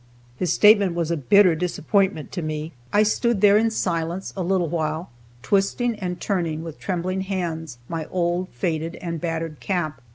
His statement was a bitter disappointment to me. I stood there in silence a little while, twisting and turning, with trembling hands, my old faded and battered cap.